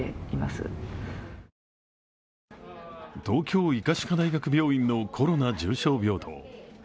東京医科歯科大学病院のコロナ重症病棟。